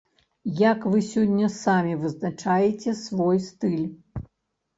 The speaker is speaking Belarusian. Як вы сёння самі вызначаеце свой стыль?